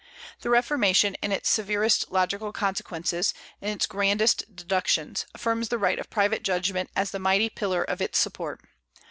The Reformation in its severest logical consequences, in its grandest deductions, affirms the right of private judgment as the mighty pillar of its support.